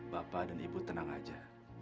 bapak dan ibu tenang aja